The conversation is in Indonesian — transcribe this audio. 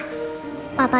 terima kasih pak